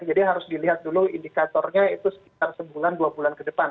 harus dilihat dulu indikatornya itu sekitar sebulan dua bulan ke depan